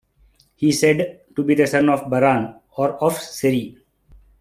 He is said to be the son of Baran, or of Ceri.